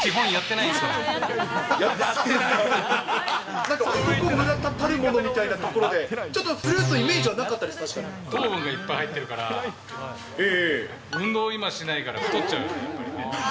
なんか男・村田たるものみたいなところで、ちょっとフルーツのイメージはなかったです、糖分がいっぱい入ってるから、運動今しないから、太っちゃうからね、やっぱり。